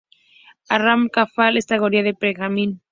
Arrabal Calaf en categoría de pre-benjamín.